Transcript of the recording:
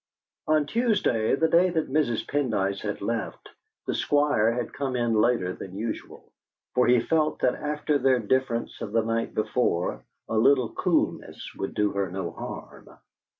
On Tuesday, the day that Mrs. Pendyce had left, the Squire had come in later than usual, for he felt that after their difference of the night before, a little coolness would do her no harm.